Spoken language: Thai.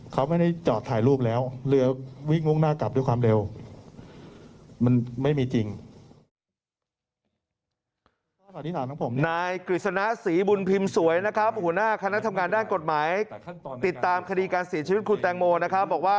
เขาไม่ได้จอดถ่ายรูปแล้วเหลือวิ่งมุ่งหน้ากลับด้วยความเร็ว